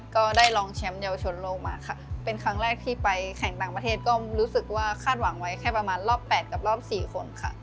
ก็ได้ลองแชมป์เยาวชนโลกมาค่ะเป็นครั้งแรกที่ไปแข่งต่างประเทศก็รู้สึกว่าคาดหวังไว้แค่ประมาณรอบ๘กับรอบสี่คนค่ะ